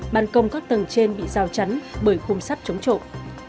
bàn công các tầng trên bị rào chắn bởi khung sắt chống trộm